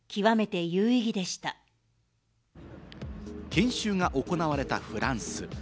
研修が行われたフランス。